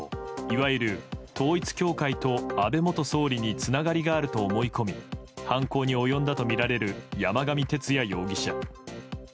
いわゆる統一教会と安倍元総理につながりがあると思い込み犯行に及んだとみられる山上徹也容疑者。